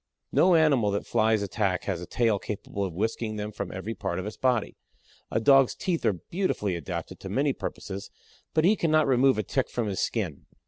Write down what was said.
No animal that Flies attack has a tail capable of whisking them from every part of its body. A Dog's teeth are beautifully adapted to many purposes, but he cannot remove a Tick from his skin.